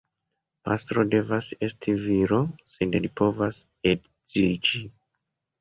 Pastro devas esti viro, sed li povas edziĝi.